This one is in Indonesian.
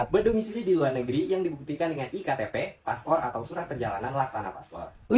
berdomisili di luar negeri yang dibuktikan dengan iktp paspor atau surat perjalanan laksana paspor